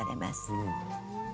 うん。